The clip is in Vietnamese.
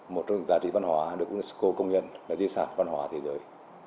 một trong giá trị văn hóa được unesco công nhận là di sản văn hóa thế giới